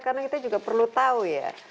karena kita juga perlu tahu ya